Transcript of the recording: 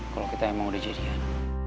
kalau kita emang udah jadian